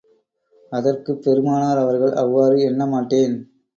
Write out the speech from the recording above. அதற்குப் பெருமானார் அவர்கள், அவ்வாறு எண்ண மாட்டேன்.